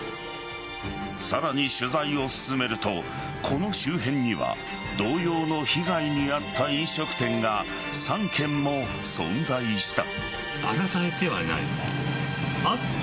さらに取材を進めるとこの周辺には同様の被害に遭った飲食店が３軒も存在した。